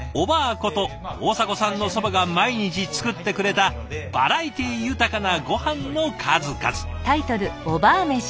こと大迫さんの祖母が毎日作ってくれたバラエティー豊かなごはんの数々。